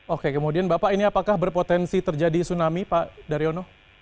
oke kemudian bapak ini apakah berpotensi terjadi tsunami pak daryono